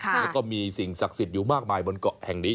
แล้วก็มีสิ่งศักดิ์สิทธิ์อยู่มากมายบนเกาะแห่งนี้